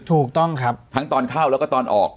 ถูกต้องครับทั้งตอนเข้าแล้วก็ตอนออก